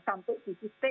sampai di siste